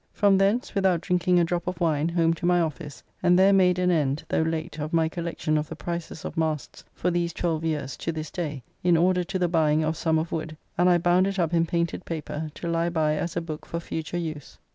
From thence, without drinking a drop of wine, home to my office and there made an end, though late, of my collection of the prices of masts for these twelve years to this day, in order to the buying of some of Wood, and I bound it up in painted paper to lie by as a book for future use.